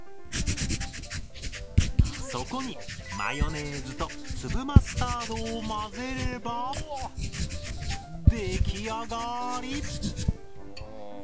そこにマヨネーズと粒マスタードを混ぜれば出来上がり！